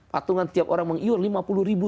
patungan tiap orang mengiur lima puluh ribu